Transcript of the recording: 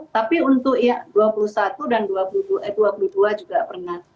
tapi untuk ya dua ribu dua puluh satu dan dua ribu dua puluh dua juga pernah